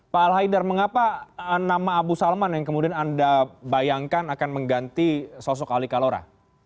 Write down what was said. pak al haidar mengapa nama abu salman yang kemudian anda bayangkan akan mengganti sosok ali kalora